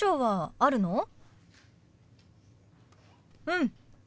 うん。